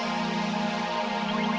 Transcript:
apa yang akan terjadi